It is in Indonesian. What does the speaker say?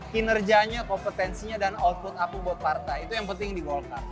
kinerjanya kompetensinya dan output aku buat partai itu yang penting di golkar